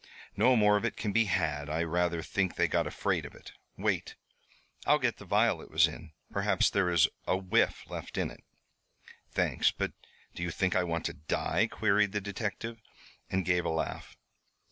"No more of it can be had. I rather think they got afraid of it. Wait, I'll get the vial it was in. Perhaps there is a whiff left in it." "Thanks, but do you think I want to die?" queried the detective, and gave a laugh.